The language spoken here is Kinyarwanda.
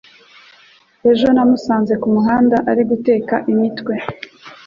Ejo namusanze kumuhanda ari guteka imitwe.